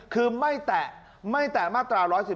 คือไม่แตะไม่แตะมาตรา๑๑๒